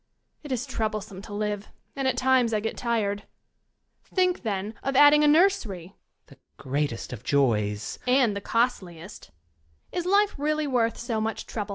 It is troublesome to live, and at times I get tired Think, then, of adding a nursery ! Student. The greatest of joys Young Lady. And the costliest Is life really worth so much trouble?